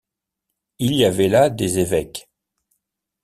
Il y avait là des évêques.